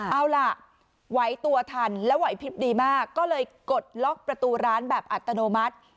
เอาล่ะไหวตัวทันแล้วไหวพลิบดีมากก็เลยกดล็อกประตูร้านแบบอัตโนมัติ